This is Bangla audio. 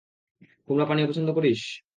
কুমড়া পানীয় পছন্দ করিস?